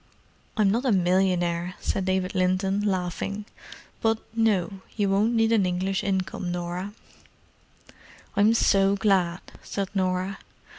"I'm not a millionaire," said David Linton, laughing. "But—no, you won't need an English income, Norah." "I'm so glad," said Norah.